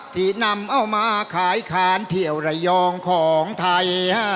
ที่นำเอามาขายค้านเที่ยวระยองของไทย